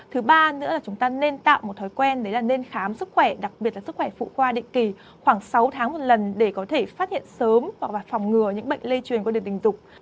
thứ ba nữa là chúng ta nên tạo một thói quen đấy là nên khám sức khỏe đặc biệt là sức khỏe phụ khoa định kỳ khoảng sáu tháng một lần để có thể phát hiện sớm hoặc là phòng ngừa những bệnh lây truyền qua đường tình dục